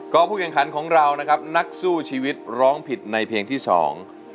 ก็ผู้แข่งขันของเรานะครับนักสู้ชีวิตร้องผิดในเพลงที่สอง